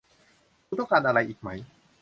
คุณต้องการอะไรอีกไหม